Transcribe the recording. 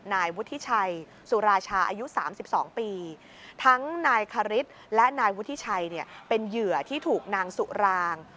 นายวุฒิชัยสุราชาอายุ๓๒ปีทั้งนายคริสและนายวุฒิชัยเนี่ยเป็นเหยื่อที่ถูกนางสุราง